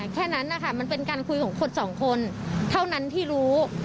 แค่นั้นนะคะมันเป็นการคุยของคนสองคนเท่านั้นที่รู้